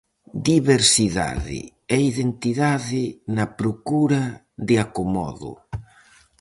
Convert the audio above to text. Diversidade e identidade na procura de acomodo.